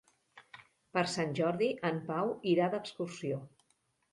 Per Sant Jordi en Pau irà d'excursió.